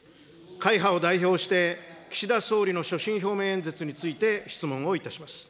会派を代表して、岸田総理の所信表明演説について質問をいたします。